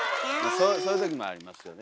そういうときもありますよね。